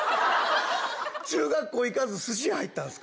中学校行かず、すし屋入ったんですか？